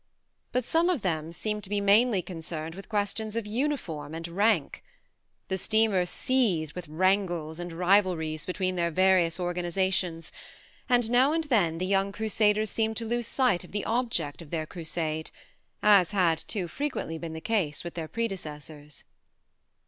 But some of them seemed to be mainly concerned with questions of uniform and rank. The steamer seethed with wrangles and rivalries between their various organisa tions, and now and then the young crusaders seemed to lose sight of the object of their crusade as had too frequently been the case with their predecessors.